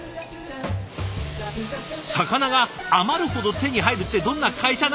魚が余るほど手に入るってどんな会社なのか？